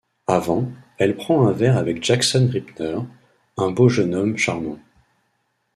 Avant, elle prend un verre avec Jackson Rippner, un beau jeune homme charmant.